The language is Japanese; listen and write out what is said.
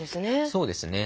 そうですね。